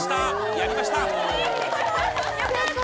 やりました。